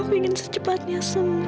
aku ingin secepatnya sembuh